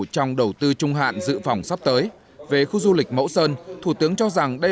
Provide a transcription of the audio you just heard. trong đầu tư trung hạn dự phòng sắp tới về khu du lịch mẫu sơn thủ tướng cho rằng đây